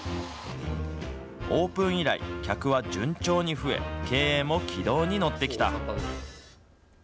オープン以来、客は順調に増え、経営も軌道に乗ってきた。